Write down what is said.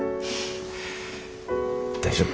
大丈夫。